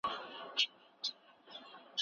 سرمایه داري د غریبو حق خوري.